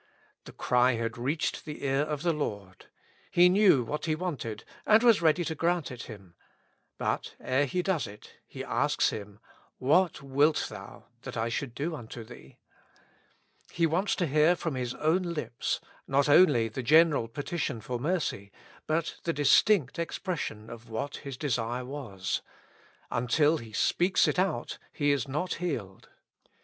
The cry had reached the ear of the Lord ; He knew what he wanted, and was ready to grant it him. But ere He does it, He asks him: •' What wilt thou that I should do unto thee? " He wants to hear from his own lips, not only the general petition for mercy, but the distinct expression of what his desire was. Until he speaks it out, he is not healed.